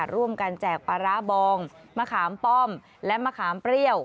ร่วมกันแจกประระบองมะขามป้อมและมะขามเปรี้ยว